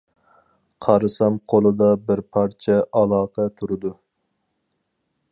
قارىسام قولىدا بىر پارچە ئالاقە تۇرىدۇ.